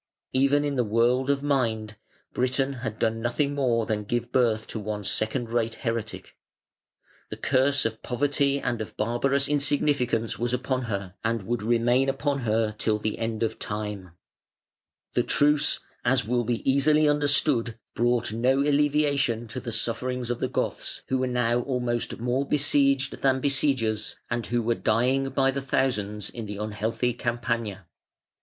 Even in the world of mind Britain had done nothing more than give birth to one second rate heretic. The curse of poverty and of barbarous insignificance was upon her, and would remain upon her till the end of time". [Footnote 148: Pelagius.] The truce, as will be easily understood, brought no alleviation to the sufferings of the Goths, who were now almost more besieged than besiegers, and who were dying by thousands in the unhealthy Campagna.